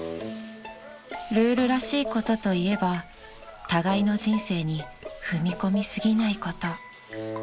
［ルールらしいことと言えば互いの人生に踏み込み過ぎないこと］